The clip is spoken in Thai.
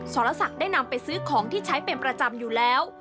สรศักดิ์ได้นำไปซื้อของที่ใช้เป็นประจำอยู่แล้ว